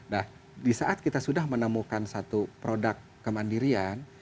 nah di saat kita sudah menemukan satu produk kemandirian